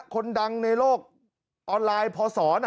คนดังในโลกออนไลน์พศ